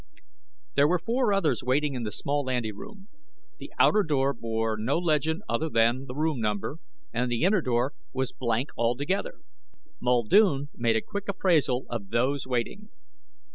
There were four others waiting in the small anteroom. The outer door bore no legend other than the room number, and the inner door was blank altogether. Muldoon made a quick appraisal of those waiting.